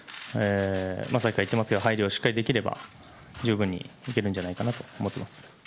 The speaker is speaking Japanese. さっきから言っていますが入りがしっかりできれば十分に行けるんじゃないかなと思ってます。